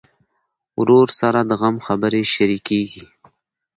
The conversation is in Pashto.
ورور سره د غم خبرې شريکېږي.